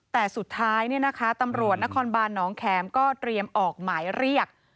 แต่สุดท้ายตำรวจนครบานน้องแขมก็เตรียมออกหมายเรียก